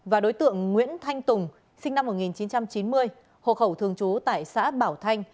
và đối tượng nguyễn thanh tùng sinh năm một nghìn chín trăm chín mươi hộ khẩu thường trú tại xã bảo thanh